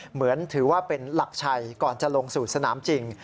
เหมือนถือว่าเป็นหลักชัยก่อนจะลงสู่สนามจริง